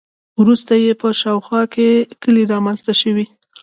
وروسته یې په شاوخوا کې کلي رامنځته شوي.